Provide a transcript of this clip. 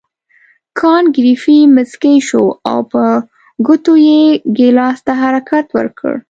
کانت ګریفي مسکی شو او په ګوتو یې ګیلاس ته حرکت ورکړ.